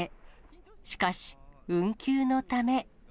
しかし、運休のため。